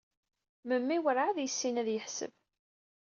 Memmi werɛad yessin ad yeḥseb.